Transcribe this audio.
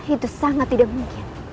itu sangat tidak mungkin